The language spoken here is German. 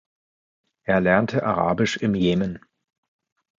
Er lernte Arabisch im Jemen.